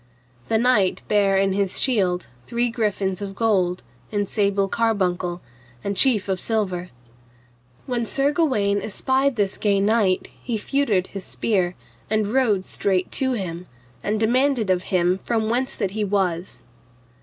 The knight bare in his shield three griffins of gold, in sable carbuncle, the chief of silver. When Sir Gawaine espied this gay knight, he feutred his spear, and rode straight to him, and demanded of him from whence that he was.